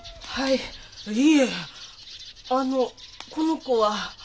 いえあのこの子は？